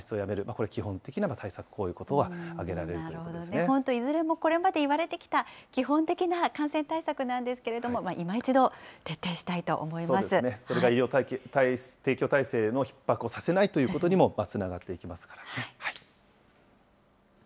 これ、基本的な対策、こういうこ本当、いずれもこれまで言われてきた基本的な感染対策なんですけれども、いま一度徹底したいそれが医療提供体制のひっ迫をさせないということにもつながっていきますからね。